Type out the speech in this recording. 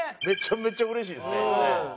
めちゃめちゃ嬉しいですね。